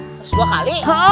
harus dua kali